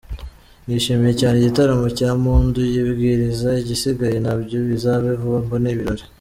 Nishimiye cyane igitaramo cya Mpundu, yibwirize igisigaye, nabyo bizabe vuba, mbone ibirori,.